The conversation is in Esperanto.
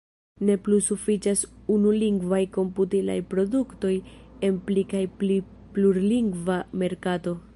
Ne plu sufiĉas unulingvaj komputilaj produktoj en pli kaj pli plurlingva merkato.